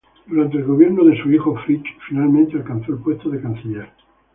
Durante el gobierno de su hijo, Fritsch finalmente alcanzó el puesto de Canciller.